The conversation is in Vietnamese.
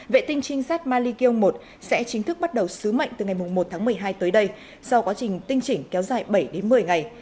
vệ tinh trinh sát malikyo một sẽ chính thức bắt đầu sứ mệnh từ ngày một tháng một mươi hai tới đây sau quá trình tinh chỉnh kéo dài bảy đến một mươi ngày